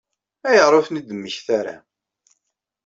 Ayɣer ur ten-id-temmekta ara?